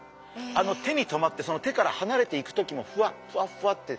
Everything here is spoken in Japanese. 手にとまって手から離れていく時もふわっふわっふわって。